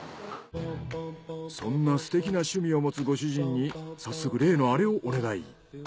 そんなすてきな趣味を持つご主人に早速例のアレをお願い。